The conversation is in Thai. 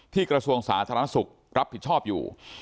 กระทรวงสาธารณสุขรับผิดชอบอยู่